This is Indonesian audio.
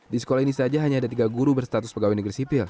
di sekolah ini saja hanya ada tiga guru berstatus pegawai negeri sipil